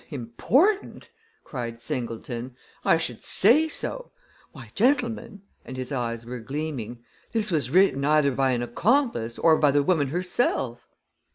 "Important!" cried Singleton. "I should say so! Why, gentlemen," and his eyes were gleaming, "this was written either by an accomplice or by the woman herself!"